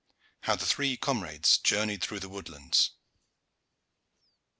HOW THE THREE COMRADES JOURNEYED THROUGH THE WOODLANDS.